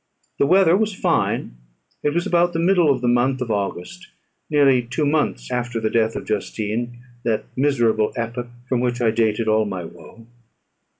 The weather was fine: it was about the middle of the month of August, nearly two months after the death of Justine; that miserable epoch from which I dated all my woe.